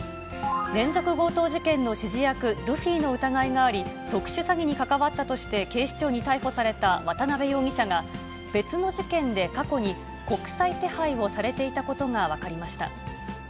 連続強盗事件の指示役、ルフィの疑いがあり、特殊詐欺に関わったとして、警視庁に逮捕された渡辺容疑者が、別の事件で過去に国際手配をされていたことが分かりました。